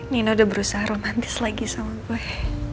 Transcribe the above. nina udah berusaha romantis lagi sama gue